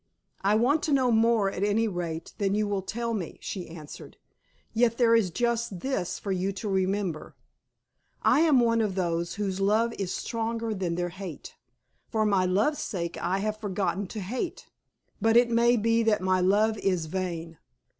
"I want to know more, at any rate, than you will tell me," she answered; "yet there is just this for you to remember. I am one of those whose love is stronger than their hate. For my love's sake I have forgotten to hate. But it may be that my love is vain.